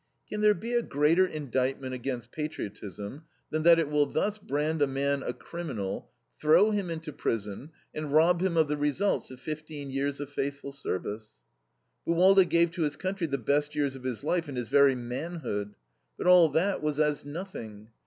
Can there be a greater indictment against patriotism than that it will thus brand a man a criminal, throw him into prison, and rob him of the results of fifteen years of faithful service? Buwalda gave to his country the best years of his life and his very manhood. But all that was as nothing.